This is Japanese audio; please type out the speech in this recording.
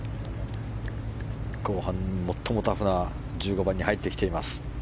後半、最もタフな１５番に入ってきています。